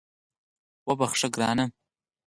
وبخښه ګرانه